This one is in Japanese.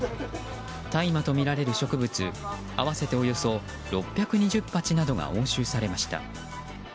大麻とみられる植物合わせておよそ６２０鉢などが押収されました。